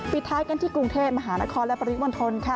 ปิดท้ายกันที่กรุงเทพมหานครและปริมณฑลค่ะ